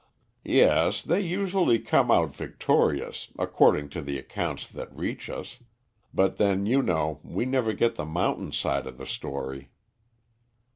"Yes, they usually come out victorious, according to the accounts that reach us; but then, you know, we never get the mountain's side of the story."